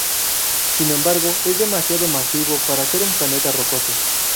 Sin embargo es demasiado masivo para ser un planeta rocoso.